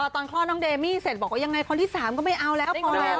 คลอดน้องเดมี่เสร็จบอกว่ายังไงคนที่๓ก็ไม่เอาแล้วพอแล้ว